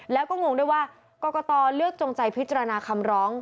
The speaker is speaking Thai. แล้วก็งงด้วยว่ากรกตเลือกจงใจพิจารณาคำร้อง